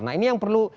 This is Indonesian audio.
nah ini yang perlu